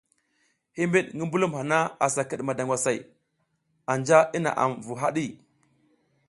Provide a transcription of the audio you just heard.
Himiɗ ngi mbulum hana asa kiɗ madangwasay, anja i naʼam vu haɗi.